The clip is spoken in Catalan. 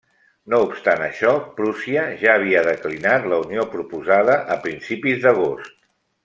No obstant això, Prússia ja havia declinat la unió proposada a principis d'agost.